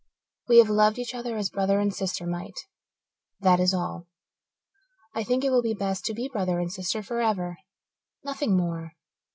We have loved each other as brother and sister might that is all. I think it will be best to be brother and sister forever nothing more."